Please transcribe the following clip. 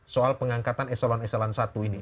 soal pengangkatan eselan eselan satu ini